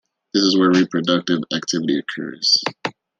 This is where reproductive activity occurs.